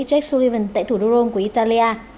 jake sullivan tại thủ đô rome của italia